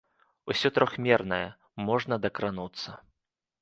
Усё трохмернае, можна дакрануцца.